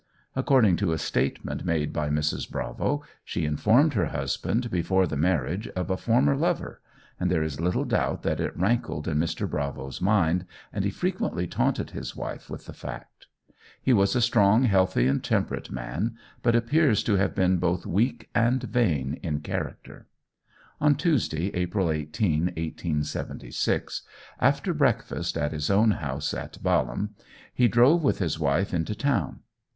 According to a statement made by Mrs. Bravo, she informed her husband before the marriage of a former lover, and there is little doubt that it rankled in Mr. Bravo's mind, and he frequently taunted his wife with the fact. He was a strong, healthy, and temperate man, but appears to have been both weak and vain in character. On Tuesday, April 18, 1876, after breakfast at his own house at Balham, he drove with his wife into town.